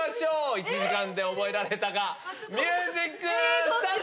１時間で覚えられたか、ミュージックスタート。